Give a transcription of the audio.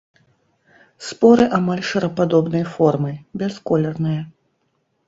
Споры амаль шарападобнай формы, бясколерныя.